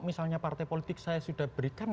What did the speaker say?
misalnya partai politik saya sudah berikan